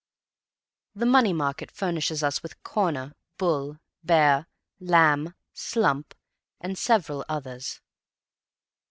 The money market furnishes us with "corner," "bull," "bear," "lamb," "slump," and several others.